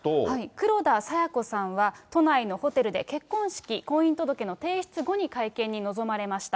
黒田清子さんは都内のホテルで結婚式、婚姻届の提出後に会見に臨まれました。